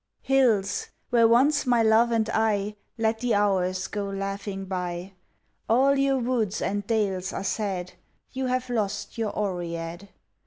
Hills where once my love and I Let the hours go laughing by! All your woods and dales are sad, You have lost your Oread.